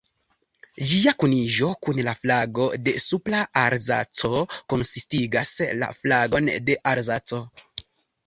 Ĝia kuniĝo kun la flago de Supra-Alzaco konsistigas la flagon de Alzaco.